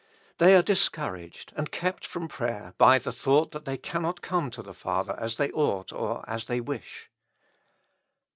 They are discouraged and kept from prayer by the thought that they cannot come to the Father as they ought or as they wish.